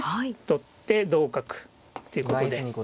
取って同角っていうことで。